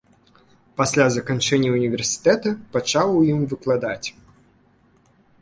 Пасля заканчэння ўніверсітэта пачаў у ім выкладаць.